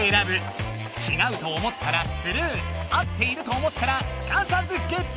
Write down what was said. ちがうと思ったらスルー合っていると思ったらすかさずゲット。